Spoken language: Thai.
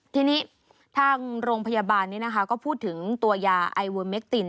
ทีนี้ทางโรงพยาบาลก็พูดถึงตัวยาไอวูอลเมกติน